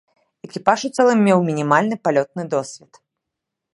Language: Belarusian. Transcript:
Экіпаж у цэлым меў мінімальны палётны досвед.